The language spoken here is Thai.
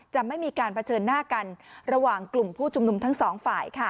จะไม่มีการเผชิญหน้ากันระหว่างกลุ่มผู้ชุมนุมทั้งสองฝ่าย